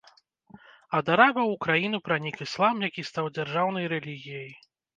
Ад арабаў у краіну пранік іслам, які стаў дзяржаўнай рэлігіяй.